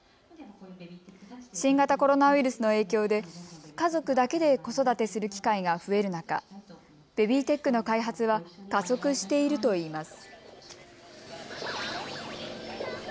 新型コロナウイルスの影響で家族だけで子育てする機会が増える中、ベビーテックの開発は加速しているといいます。